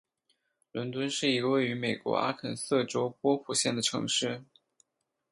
伦敦是一个位于美国阿肯色州波普县的城市。